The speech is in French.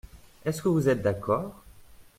Est-ce que vous êtes d’accord?